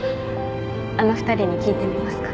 あの２人に聞いてみますか。